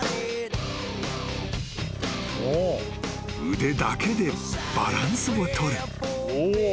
［腕だけでバランスを取る］